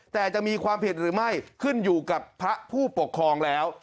แต่จะมีความผิดหรือไม่ขึ้นอยู่กับพระผู้ปกครองแล้ว